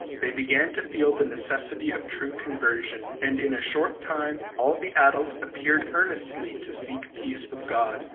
They began to feel the necessity of true conversion; and in a short time all the adults appeared earnestly to seek peace with God.